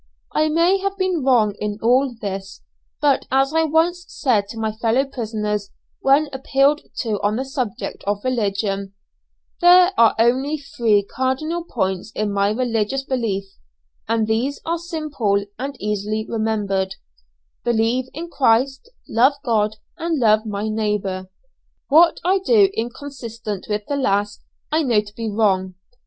I may have been wrong in all this, but as I once said to my fellow prisoners when appealed to on the subject of religion, "There are only three cardinal points in my religious belief, and these are simple and easily remembered believe in Christ, love God, and love my neighbour; what I do inconsistent with the last I know to be wrong.